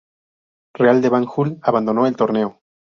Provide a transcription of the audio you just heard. Real de Banjul abandonó el torneo.